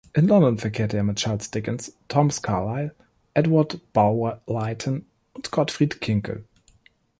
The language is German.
In London verkehrte er mit Charles Dickens, Thomas Carlyle, Edward Bulwer-Lytton und Gottfried Kinkel.